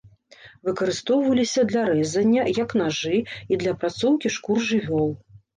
Выкарыстоўваліся для рэзання, як нажы, і для апрацоўкі шкур жывёл.